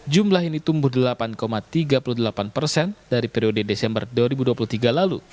jumlah ini tumbuh delapan tiga puluh delapan persen dari periode desember dua ribu dua puluh tiga lalu